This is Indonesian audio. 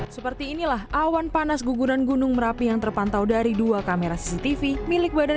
seperti inilah awan panas guguran gunung merapi yang terpantau dari dua kamera cctv milik badan